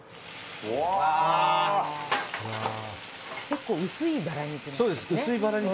結構薄いバラ肉。